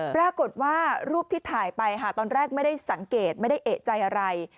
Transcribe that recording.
ปรากฏว่ารูปที่ถ่ายไปค่ะตอนแรกไม่ได้สังเกตไม่ได้เอกใจอะไร